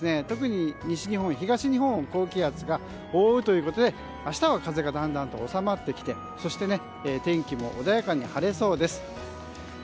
特に西日本、東日本に高気圧が覆うということで明日は風がだんだんと収まってきて天気も穏やかに晴れそうです。